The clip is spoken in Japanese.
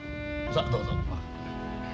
さあどうぞ。